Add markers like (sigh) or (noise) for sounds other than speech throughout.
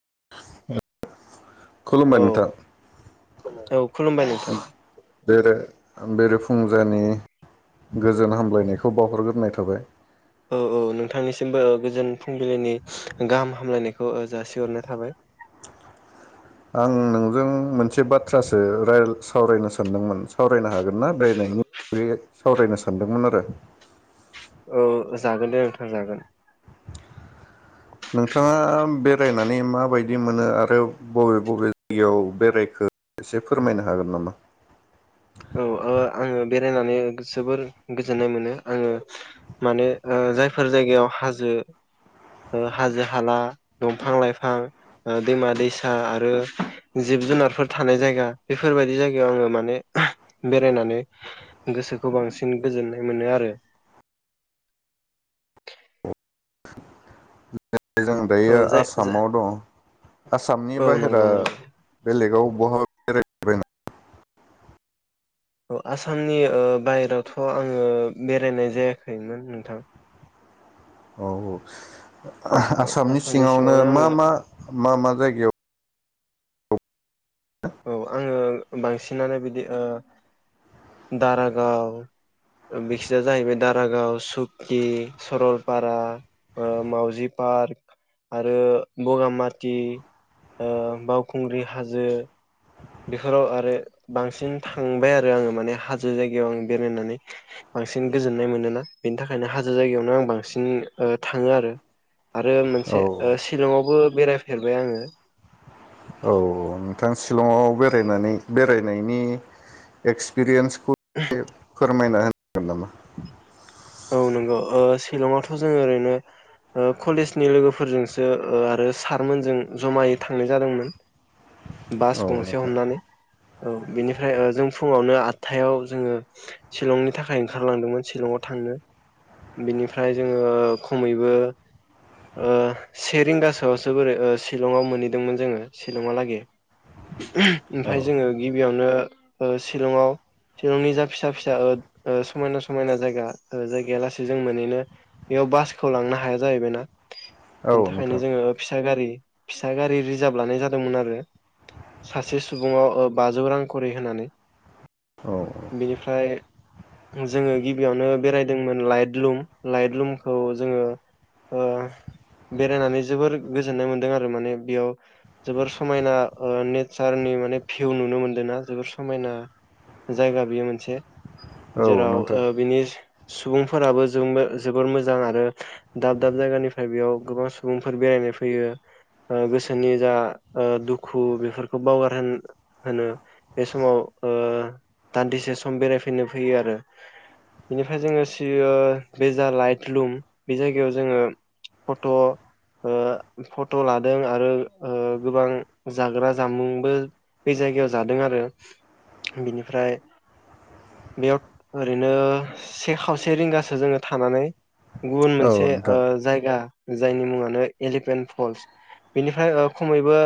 (inaudible) औ नोंथां औ खुलुमबाय नोंथां बे बे बेरे फुंजानि गोजोन हामलायनायखौ बावहरग्रोनाय थाबाय औ औ नोंथांनिसिमबो गोजोन फुंबिलिनि गाहाम हामलायनायखौ जासिहरनाय थाबाय आं नोंजों मोनसे बाथ्रासो राय सावरायनो सानदोंमोन सावरायनो हागोन ना (unintelligible) सावरायनो सानदोंमोन आरो औ जागोन दे नोंथां जागोन नोंथाङा बेरायनानै माबायदि मोनो आरो बबे बबे जयाव बेरायखो एसे फोरमायनो हागोन नामा? औ आङो आङो बे जायनानै जोबोर गोजोननाय मोनो आङो माने ओ जायफोर जायगायाव हाजो-हाजो हाला दंफां लाइफां दैमा-दैसा आरो जिब जुनारफोर थानाय जायगा बेफोरबायदि जायगायाव आङो माने बेरायनानै गोसोखौ बांसिन गोजोननाय मोनो आरो (inaudible) जों औ दायो जाय जा आसामाव दं आसामनि औ बाहेरा नंगौ नंगौ बेलेगाव बहा (unintelligible) औ आसामनि ओ बायेरायावथ आङो बेरायनाय जायाखैमोन नोंथां औ आसामनि सिङावनो मा मा मा मा जायगायाव औ आङो बांसिनानो बिदि ओ दारागाव बिसिया जाहैबाय दारागाव सुकि सरलपारा ओ मावजि पार्क आरो बगामाथि ओ बावखुंग्रि हाजो बेफोराव आरो बांसिन थांबाय आरो आङो माने हाजो जायगायाव आं बेरायनानै बांसिन गोजोननाय मोनोना बेनि थाखायनो हाजो जायगायावनो आं बांसिन थाङो आरो आरो मोनसे औ ओ सि शिलंआवबो बेरायफेरबाय आङो औ नोंथां शिलंआव बेरायनानै बेरायनायनि एक्सपिरियेन्स (unintelligible) फोरमायना (inaudible) औ नंगौ ओ सिलंआवथ जोङो ओरैनो कलेजनि लोगोफोरजोंसो आरो सारमोनजों जमायै थांनाय जादोंमोन बास औ गंसे नोंथां हमनानै औ बेनिफ्राय जों फुङावनो आटथायाव जोङो शिलंनि थाखाय ओंखारलांदोंमोन शिलंआव थांनो बिनिफ्राय जोङो खमैबो ओ से ओ रिंगासोआवसो बोरै शिलंआव मोनहैदोंमोन जोङो शिलंआलागै ओमफ्राय औ जोङो गिबियावनो शिलंआव शिलंनि जा फिसा फिसा समायना समायना जायगा जायगाया लासे जों मोननो बेयाव बासखौ लांनो हाया जाहैबायनाा औ बिनि थाखायनो नोंथां जोङो फिसा गारि फिसा गारि रिजार्भ लानाय जादोंमोन आरो सासे सुबाव बाजौ रां खरि होनानै औ बिनिफ्राय जोङो गिबियावनो बेरायदोंमोन लाइट लुम लाइट लुमखौ जोङो ओ बेरायनानै जोबोर गोजोननाय मोन्दों आरो माने बेयाव जोबोर समायना नेचारनि माने भिउ नुनो मोनदोंना जोबोर समायना जायगा बेयो मोनसे औ जेराव नोंथां ओ बिनि सुबुंफोराबो जोंबो जोबोर मोजां आरो दाब दाब जायगानिफ्राय बेयाव गोबां सुबुंफोर बेरायनो फैयो गोसोनि ओ जा दुखु बेफोरखौ बावगार होनो बे समाव ओ दान्दिसे सम बेरायफैनो फैयो आरो ओमफ्राय जोङो सि बेजा लाइट लुम बे जायगायाव जोङो फट ओ फट लादों ओ आरो गोबां जाग्रा जामुंबो बे जायगायाव जादों आरो बिनिफ्राय बेयाव ओरैनो से खावसे रिंगासो जोङो थानानै गुबुन औ मोनसे ओ नोंथां जायगा जायनि मुङानो एलिफेन्ट फल्स बेनिफ्राय खमैबो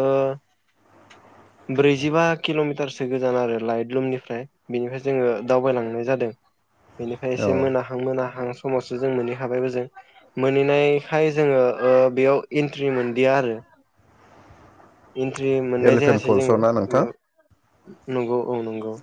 ओ ब्रैजिबा किलमिटारसो गोजान आरो लाइट लुमनिफ्राय बेनिफ्राय जोङो दावबायलांनाय जादों। बेनिफ्राय औ एसे मोनाहां मोनाहां समावसो जों मोनहैखाबायबो जों मोनहैनायखाय जोङो ओ बेयाव इन्ट्रि मोनदिया आरो इन्ट्रि मोननाय एलिफेन्ट जायासै फल्सआव जोङो ना नोंथां ओ नंगौ औ नंगौ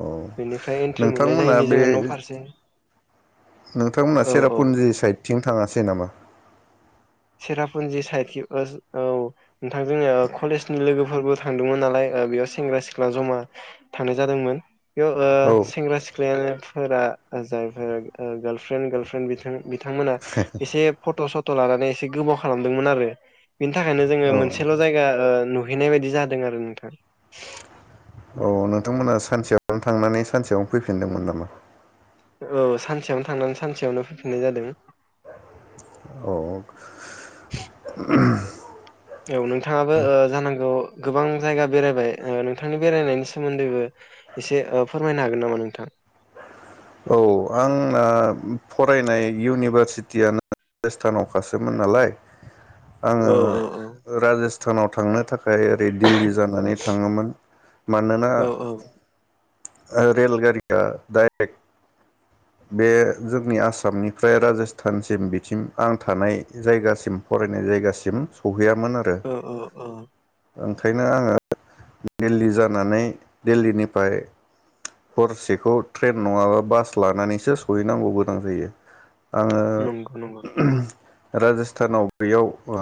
औ बेनिफ्राय एन्ट्रि मोननाय नोंथांमोना जायैनि बे जोङो न फारसे नोंथांमोना औ औ सेरापुन्जि साइडथिं थाङासै नामा? सेरापुन्जि साइदखै ओ-औ नोंथां जोङो कलेजनि लोगोफोरबो थांदोंमोन नालाय ओ बेयाव सेंग्रा सिख्ला जमा थांनाय जादोंमोन बेयाव ओ औ सेंग्रा सिख्लायाफोरा जायफोर गार्लफ्र्रेन्ड गारफ्र्रेन्ड बिथांमोना एसे फट सट लानानै एसे गोबाव खालामदोंमोन आरो बिनि थाखायनो जोङो औ मोनसेल जायगा ओ नुहैनाय बायदि जादों आरो नोंथां। औ नोंथांमोना सानसेयावनो थांनानै सानसेयावनो फैफिनदोंमोन नामा? औ सानसेयावनो थांनानै सानसेयावनो फैफिननाय जादों। औ औ नोंथाङाबो ओ जानांगौ गोबां जायगा बेरायबाय ओ नोंथांनि बेरायनायनि सोमोन्दैबो एसे फोरमायनो हागोन नामा नोंथां? औ आंना फरायनाय इउनिभारसिटियानो राजस्थानाव खासोमोन नालाय औ औ आङो राजस्ता नाव थांनो थाखाय ओरै दिल्ली जानानै थाङोमोन मानोना औ रेलगारिया डाइरेक्ट बे जोंनि आसामनिफ्राय राजस्थानसिम बिथिं आं थानाय जायगासिम फरायनाय जायगासिम सहैया मोन आरो औ औ औ ओंखायनो आङो दिल्ली जानानै दिल्लीनिफ्राय हरसेखौ ट्रेन नङाबा बास लानानै सो सहैनांगौ गोनां जायो। आङो नंगौ नंगौ। राजस्थानाव बेयाव ओ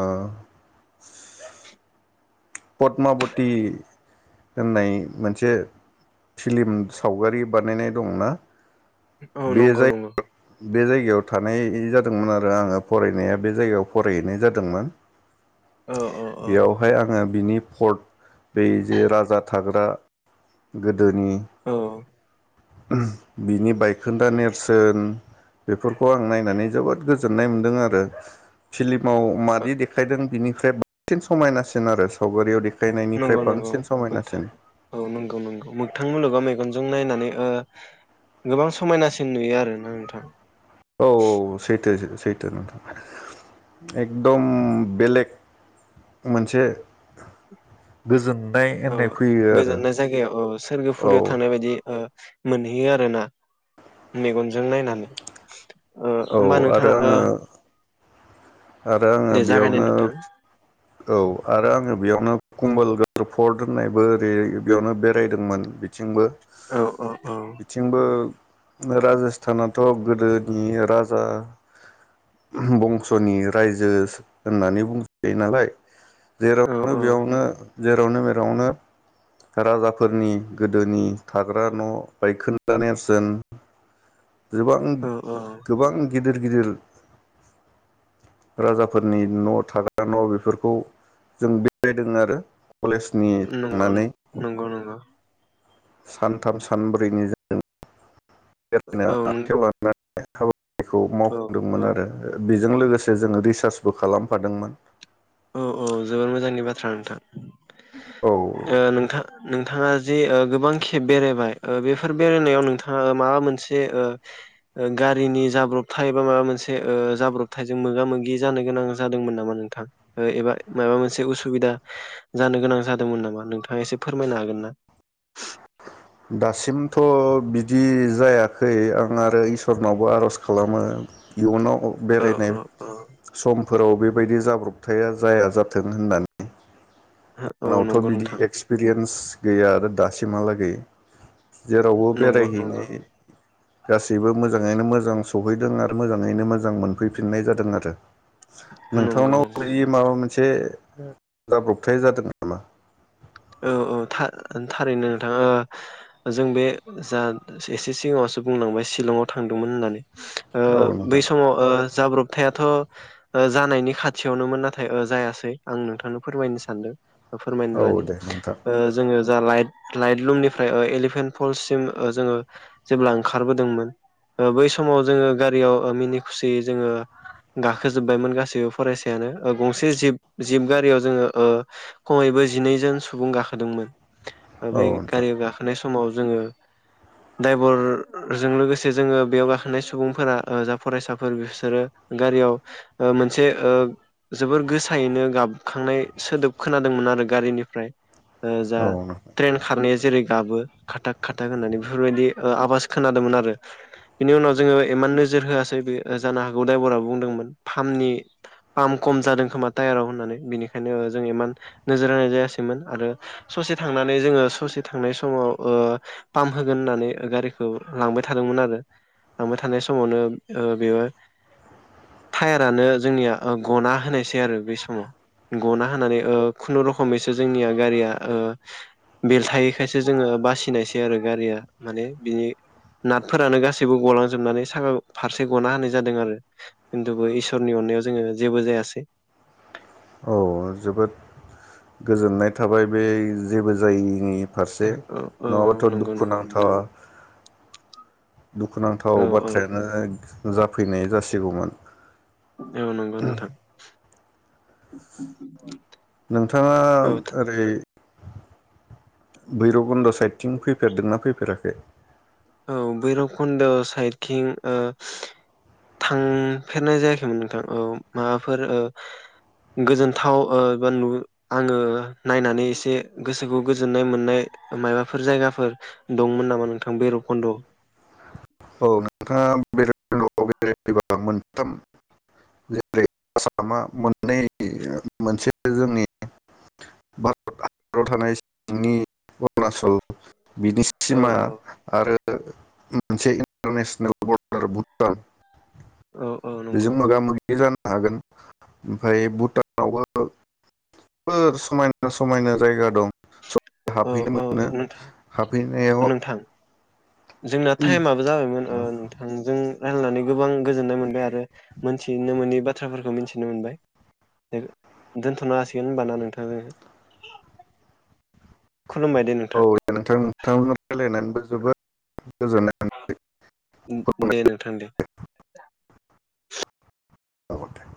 पदमाबति होननाय मोनसे फिल्म सावगारि बानायनाय दंना औ बे नंगौ जाय नंगौ। बे जायगायाव थानाय जादोंमोन आरो आङो फरायनाया बे जायगायाव फरायहैनाय जादोंमोन। औ औ औ बेयावहाय आङो बिनि पर्ट बे जे राजा थाग्रा गो दोनि औ बिनि बायखोन्दा नेरसोन बेफोरखौ आं नायनानै जोबोद गोजोननाय मोन्दों आरो फिलि माव मादि देखायदों बिनि ख्रुय बांसिन समायनासिन आरो सावगारियाव दे नंगौ नंगौ नोंथां औ नंगौ नंगौ मोगथां मुलगाव मेगनजों जों नायनानै गोबां समायनासिन नुयो आरोना नोंथां। औ औ सैथो सैथो नोंथां एकदम बेलेग मोनसे गोजोन औ गोजोननाय जायगायाव औ सोरगोफुरियाव औ थांनाय बायदि ओ मोनहैयो आरोना मेगनजों नायनानै। ओ औ होमबा आरो नोंथाङा ओ आङो आरो आङो दे जागायनाय बेयावनो नोंथां औ आरो आङो बेयावनो कमबल फर्ट होननायबो ओरै बेयावनो बेरायदोंमोन बिथिंबो। औ औ औ बिथिंबो राजस्थानथ गोदोनि राजा बंसनि रायजो होननानै बुंजायो नालाय। (inaudible) औ जेरावनो बेयावनो जेरावनो मेरावनो राजाफोरनि गोदोनि थाग्रा न बायखोन्दा नेरसोन। गोबां औ औ गोबां गिदिर गिदिर राजाफोरनि न थाग्रा न बेफोर खौ जों बेरायदों आरो। कलेजनि नोंगौ थांनानै नोंगौ नोंगौ। सानथाम सानब्रैनि जादों। औ बेरायनाया नों (unintelligible) (unintelligible) बेखौ औ मावफुंदोंमोन औ आरो बेजों लोगोसे जोङो रिसार्च बो खालामफादोंमोन। औ औ जोबोर मोजांनि बाथ्रा नोंथां। औ ओ नोंथां नों नोंथाङा जि ओ गोबां खेब बेरायबाय ओ बेफोर बेरायनायाव नोंथाङा माबा मोनसे ओ ओ गारिनि जाब्रबथाय बा माबा मोनसे ओ जाब्रबथायजों मोगा मोगि जानो गोनां जादोंमोन नामा नोंथां? एबा माबा मोनसे उसुबिदा जानो गोनां जादोंमोन नामा नोंथाङा एसे फोरमायनो हागोन ना? दासिमथ बिदि जायाखै आं आरो इसोरनावबो आरज खालामो इयुनाव औ बेरायनाय औ औ समफोराव बे बेबायदि जाब्रबथाया जाया जाथों होननानै। औ आंनावथ नंगौ बिदि नोंथां एक्सपिरियेन्स गैया आरो दासिमहालागै। जेरावबो नंगौ नंगौ बेरायहैनाय गासैबो मोजाङैनो मोजां सहैदों आरो मोजाङैनो मोजां मोनफैफिननाय जादों आरो। नंगौ नोंथांनाव नंगौ बेयो माबा मोनसे से जाबब्रब थाय जादों नामा? औ औ था थारैनो नोंथाङा जों बे जा एसे सिगाङावसो बुंलांबाय सिलंआव थांदोंमोन होननानै ओ औ बै नोंथां समाव ओ जाब्रब थायाथ जानायनि खाथियावनोमोन नाथाय ओ जायासै आं नोंथांनो फोरमायनो सानदों। फोरमायनो औ लानि दे नोंथां ओ जोङो जा लाइट लाइट लुमनिफ्राय ओ एलिफेन्ट फल सिम ओ जोङो जेब्ला ओंखारबोदोंमोन ओ बै समाव जोङो गारियाव मिनि खुसियै जोङो गाखोजोबबायमोन गासैबो फरायसायानो ओ गंसे जिब जिब गारियाव ओ जोङो खमैबो जिनैजन सुबुं गाखोदोंमोन। औ बै नोंथां गारियाव गाखोनाय सम समाव जोङो दाइभारजों लोगोसे जोङो बेयाव गाखोनाय सुबुंफोरा जा फरायसाफोर बिसोरो गारियाव ओ मोनसे ओ जोबोर गोसायैनो गाबखांनाय सोदोब खोनादोंमोन आरो गारिनिफ्राय। ओ जा औ नोंथां। ट्रेन खारनाया जेरै गाबो। खाथाक खाथाक होननानै बेफोरबायदि ओ आवास खोनादोंमोन आरो बिनि उनाव जोङो इमान नोजोर होआसै बे जानो हागौ दायभारा बुंदोंमोन पाम्पनि पाम्प खम जादों खोमा टायाराव होननानै बिनिखायनो जों इमान नोजोर होनाय जायासै। आरो ससे थांनानै जोङो ससे थांनाय समाव ओ पाम्प होगोन होननानै गारिखौ लांबाय थादोंमोन आरो लांबाय थानाय समावनो ओ बे टायारानो जोंनिया गना होनायसै आरो बे समाव गना होनानै ओ खुनुरुखुमै जोंनिया गारिया ओ बेलथायैखायसो जोङो बासिनायसै आरो गारिया माने बिनि नाथफोरानो गासैबो गलांजोबनानै साखा फारसे गना होनाय जादों आरो खिन्थुबो इसोरनि अननायाव जोङो जेबो जायासै। औ जोबोद गोजोननाय थाबाय बे जेबो जायैनि फारसे औ औ नङाबाथ नंगौ नंगौ दुखुनांथाव नोंथां औ दुखुनांथाव औ बाथ्रायानो जाफैनाय जासिगौमोन। औ नंगौ नोंथां। नोंथाङा औ ओरै। भैरब कुन्द' साइडथिं फैफेरदोंना फैफेराखै? औ भैरब खुनद सा साइडखिं ओ थांफेरनाय जायाखैमोन नोंथां औ माबाफोर ओ गोजोनथाव ओ (unintelligible) आङो नायनानै एसे गोसोखौ गोजोननाय मोननाय माबाफोर जायगाफोर दंमोन नामा नोंथां खुन्द। औ नोंथाङा बैरभकनदआव बेरायैबा मोनथाम जेरै आसामा मोननै मोनसे जोंनि भारत हादराव थानाय सिंनि अरुणाचल। बिनि सिमा औ आरो। (inaudible) मोनसे इन्टारनेसनेल बरडार भुटान। औ औ नंगौ बेजों मोगा मोगि जाना हागोन ओमफाय भुटानावबो जोबोर समायना समायना जायगा दं। औ हाबहैनो औ मोनो नोंथां हाबहैनायाव नोंथां जोंना टाइमाबो जाबायमोन ओ नोंथांजों। रायलायनानै गोबां गोजोननाय मोनबाय आरो मोनथिनो मोनै बाथ्राफोरखौ मिथिनो मोनबाय दोनथनो हासिगोन होनबाना नोंथाङा। औ दे नोंथां नोंथांमोन रायलायनानैबो। जोबोद गोजोननाय दे मोनबाय नोंथां दे। औ दे।